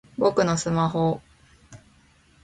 僕のスマホぉぉぉ！